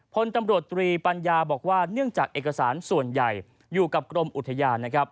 พลตำรวจตรีปัญญาบอกว่าเนื่องจากเอกสารส่วนใหญ่อยู่กับกรมอุทยานนะครับ